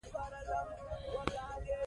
دا فشار خج بلل کېږي.